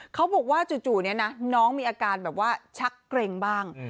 เขาบอกว่าจู่นี้นะน้องมีอาการแบบว่าชักเกร็งบ้าง